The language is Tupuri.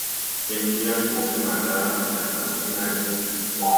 Fen po yaŋ bɔŋ maaga naa kaŋ ti naa ni,